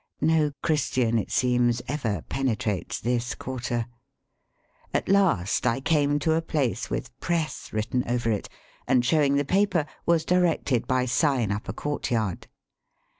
No Christian, it seems, ever penetrates this quarter. At last I came to a place with ^^ Press" written over it, and, showing the paper, was directed by sign up a courtyard.